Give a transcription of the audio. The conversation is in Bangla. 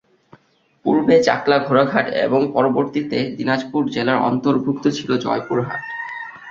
পূর্বে চাকলা ঘোড়াঘাট এবং পরবর্তীতে দিনাজপুর জেলার অন্তর্ভুক্ত ছিল জয়পুরহাট।